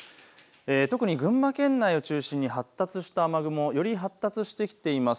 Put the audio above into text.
特に群馬県内を中心に発達した雨雲、より発達してきています。